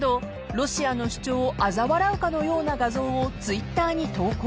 ロシアの主張をあざ笑うかのような画像をＴｗｉｔｔｅｒに投稿］